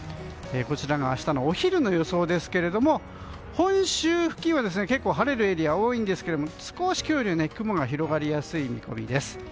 こちらが明日のお昼の予想ですが本州付近は結構晴れるエリアが多いんですが少し今日よりは雲が広がりやすい見込みです。